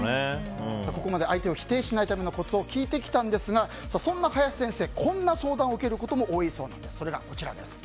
ここまで相手を否定しないためのコツを聞いてきたんですがそんな林先生、こんな相談を受けることも多いそうなんです。